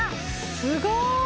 すごーい